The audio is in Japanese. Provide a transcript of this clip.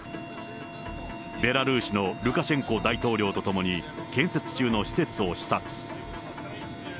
ベラルーシのルカシェンコ大統領と共に建設中の施設を視察。